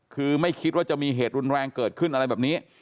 คือไม่คิดว่าจะมีเหตุรุนแรงเกิดขึ้นอะไรแบบนี้